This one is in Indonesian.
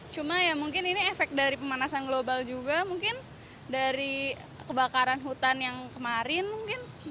cuma ya mungkin ini efek dari pemanasan global juga mungkin dari kebakaran hutan yang kemarin mungkin